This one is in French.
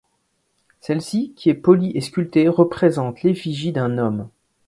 Celle-ci, qui est polie et sculptée, représente l’effigie d’un homme.